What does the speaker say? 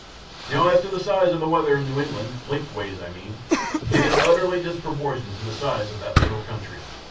Now as to the size of the weather in New England lengthways, I mean. It is utterly disproportioned to the size of that little country.